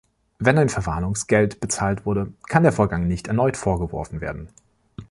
Wenn ein Verwarnungsgeld bezahlt wurde, kann der Vorgang nicht erneut vorgeworfen werden.